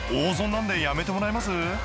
なんでやめてもらえます？